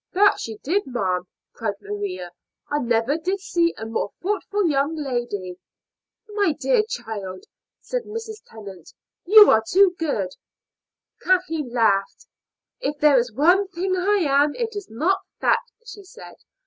"That she did, ma'am," cried Maria. "I never did see a more thoughtful young lady." "My dear child," said Mrs. Tennant, "you are too good." Kathleen laughed. "If there is one thing I am, it is not that," she said.